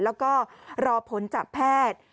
แล้วก็รอผลจากแพทย์